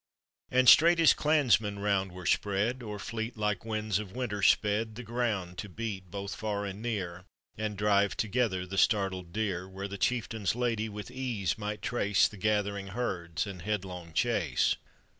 And straight his clansmen round were spread, Or fleet like winds of winter sped The ground to beat both far and near, And drive together the startled deer, Where the chieftain's lady with ease might trace The gathering herds and headlong chase.